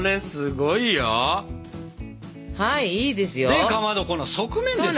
でかまどこの側面ですよ。